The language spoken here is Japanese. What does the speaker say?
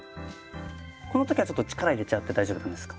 この時はちょっと力入れちゃって大丈夫なんですか？